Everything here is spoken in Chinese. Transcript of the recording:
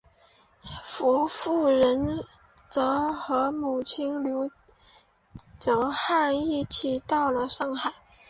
傅履仁则和母亲刘倬汉一起到了上海。